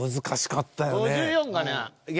難しかったよね。